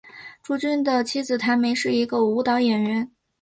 朱军的妻子谭梅是一个舞蹈演员。